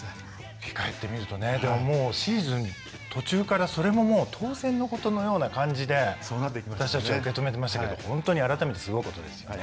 でももうシーズン途中からそれも当然のことのような感じで私たちは受け止めてましたけど本当に改めてすごいことですよね。